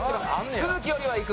都築よりはいく。